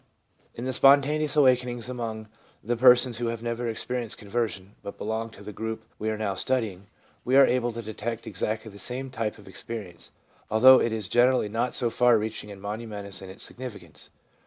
In the spontaneous awakenings among the persons who have never experienced conversion, but belong to the group we are now studying, we are able to detect exactly the same type of experience, although it is generally not so far reaching and momentous in its significance.